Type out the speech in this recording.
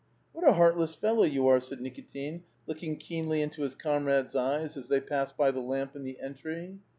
" What a heartless fellow you are !" said Nikitin, looking keenly into his comrade's eyes as they passed by the lamp in the entry.